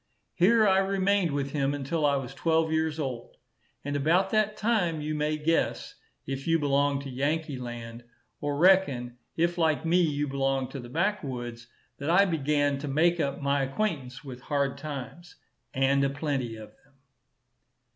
Here I remained with him until I was twelve years old; and about that time, you may guess, if you belong to Yankee land, or reckon, if like me you belong to the back woods, that I began to make up my acquaintance with hard times, and a plenty of them.